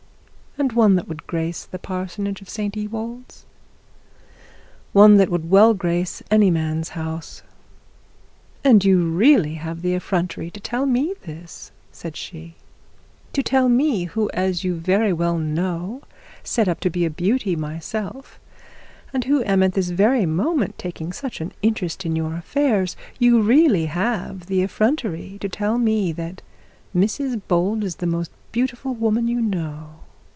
'And one that would grace the parsonage at St Ewold's.' 'One that would grace any man's house.' 'And you really have the effrontery to tell me this,' said she; 'to tell me, who, as you very well know, set up to be a beauty myself, and who am at this very moment taking such an interest in your affairs, you really have the effrontery to tell me that Mrs Bold is the most beautiful woman you know.'